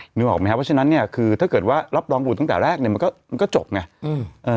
นึกออกไหมครับเพราะฉะนั้นเนี่ยคือถ้าเกิดว่ารับรองบุตรตั้งแต่แรกเนี่ยมันก็มันก็จบไงอืมเอ่อ